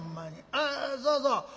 ああそうそう。